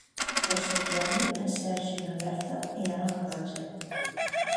Per Sant Jordi en Sergi i na Berta iran a la platja.